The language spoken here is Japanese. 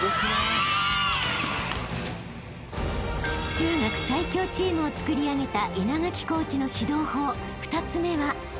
［中学最強チームをつくり上げた稲垣コーチの指導法２つ目は］